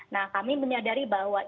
nah kami menyadari bahwa ibu adalah